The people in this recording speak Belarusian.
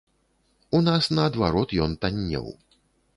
У нас наадварот ён таннеў!